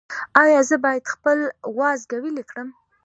ایا زه باید خپل وازګه ویلې کړم؟